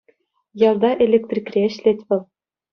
Ялта электрикре ӗҫлет вӑл.